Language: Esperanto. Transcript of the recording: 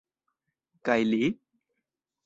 Kaj li?